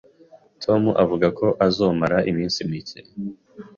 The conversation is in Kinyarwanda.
Tom avuga ko azomara iminsi mike